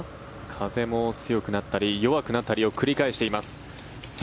風も強くなったり弱くなったりを繰り返しています。